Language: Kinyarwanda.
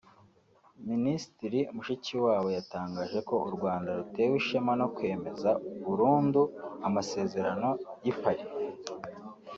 Minisitiri Mushikiwabo yatangaje ko u Rwanda rutewe ishema no kwemeza burundu Amasezerano y’i Paris